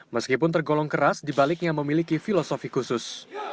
meskipun tergolong keras dibaliknya memiliki filosofi khusus